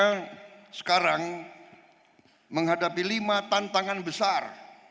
karena sekarang menghadapi lima tantangan besar